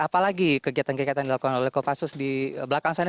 apalagi kegiatan kegiatan dilakukan oleh kopassus di belakang sana